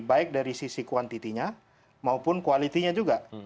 baik dari sisi kuantitinya maupun quality nya juga